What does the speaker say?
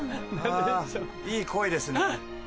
あぁいい声ですね。